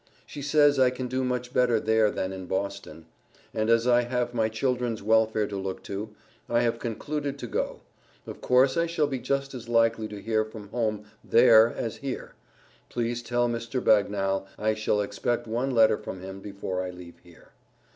She says I can do much better there than in Boston. And as I have my children's welfare to look to, I have concluded to go. Of course I shall be just as likely to hear from home there as here. Please tell Mr. Bagnale I shall expect one letter from him before I leave here.